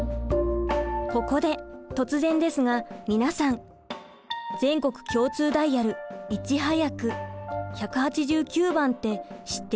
ここで突然ですが皆さん全国共通ダイヤル「いちはやく」「１８９番」って知っていますか？